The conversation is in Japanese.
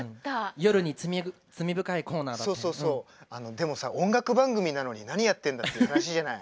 でもさ音楽番組なのに何をやってんだっていう話じゃない。